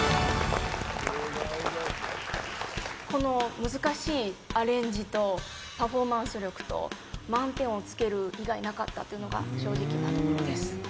この難しいアレンジとパフォーマンス力と満点をつける以外なかったっていうのが正直なところです。